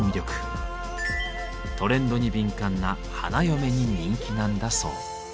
トレンドに敏感な花嫁に人気なんだそう。